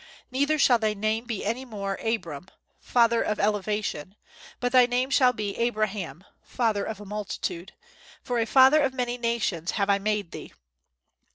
Neither shall thy name be any more Abram [Father of Elevation] but thy name shall be Abraham [Father of a Multitude], for a father of many nations have I made thee."